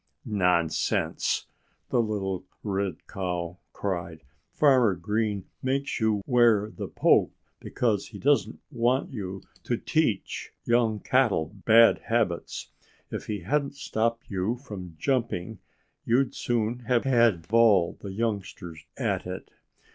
"Nonsense!" the little red cow cried. "Farmer Green makes you wear the poke because he doesn't want you to teach the young cattle bad habits. If he hadn't stopped you from jumping you'd soon have had all the youngsters at it."